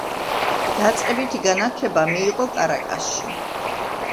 დაწყებითი განათლება მიიღო კარაკასში.